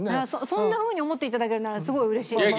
そんなふうに思って頂けるならすごい嬉しいです。